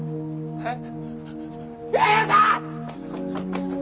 えっ！？